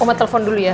koma telepon dulu ya